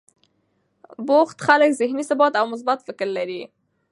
بوخت خلک ذهني ثبات او مثبت فکر لري.